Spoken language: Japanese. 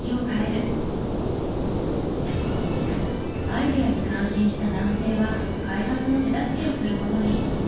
アイデアに感心した男性は開発の手助けをする事に。